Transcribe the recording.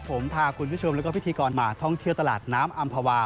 ผมพาคุณผู้ชมแล้วก็พิธีกรมาท่องเที่ยวตลาดน้ำอำภาวา